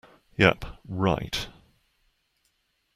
Yep, right!